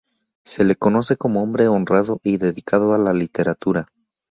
Se le conoce como hombre honrado y dedicado a la literatura.